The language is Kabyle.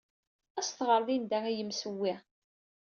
Ad as-tɣer Linda i yemsewwi.